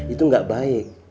itu enggak baik